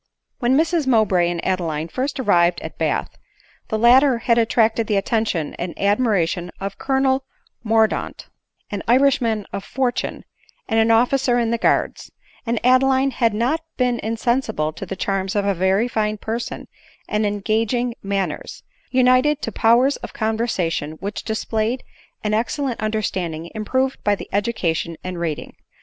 When Mrs Mowbray and Adeline first arrived at Bath, die latter had attracted the attention and admiration of Colonel Mordaunt, an Irishman of fortune, and an officer in the guards ; and Adeline had not been insensible to the charms of a very fine person and engaging manners, united to powers of conversation which displayed an ex cellent understanding improved by education and reading.